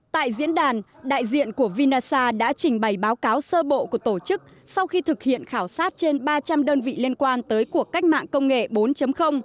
tại diễn đàn đại diện của vinasa đã trình bày báo cáo sơ bộ của tổ chức sau khi thực hiện khảo sát trên ba trăm linh đơn vị liên quan tới cuộc cách mạng công nghệ bốn